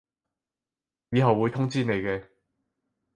以後會通知你嘅